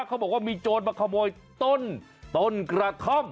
เขาบอกว่ามีโจรมาขโมยต้นกระท่อม